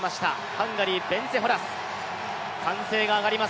ハンガリーのベンツェ・ホラス、歓声が上がります。